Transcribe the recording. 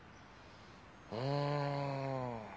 うん。